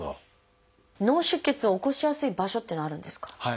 脳出血を起こしやすい場所っていうのはあるんですか？